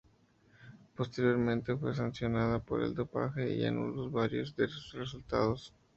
Posteriormente fue sancionada por dopaje y anulados varios de sus resultados.